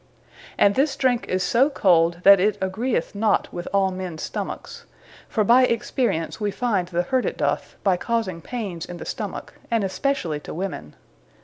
And this drink is so cold, that it agreeth not with all mens stomacks; for by experience we find the hurt it doth, by causing paines in the stomacke, and especially to Women.